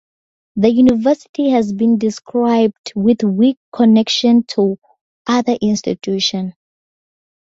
The university has been described with weak connection to other institutions.